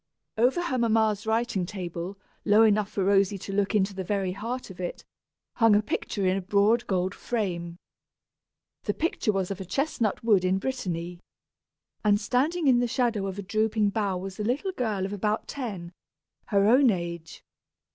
Over her mamma's writing table, low enough for Rosy to look into the very heart of it, hung a picture in a broad gold frame. The picture was of a chestnut wood in Brittany, and standing in the shadow of a drooping bough was a little girl of about ten, her own age.